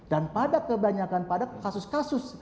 dan pada kebanyakan pada kasus kasus